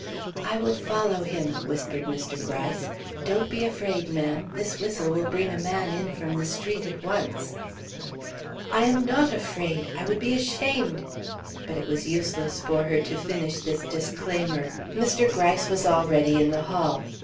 "I will follow him," whispered Mr. Gryce. "Don't be afraid, ma'am. This whistle will bring a man in from the street at once." "I am not afraid. I would be ashamed " But it was useless for her to finish this disclaimer. Mr. Gryce was already in the hall.